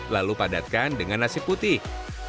lalu padatkan dengan nasi putih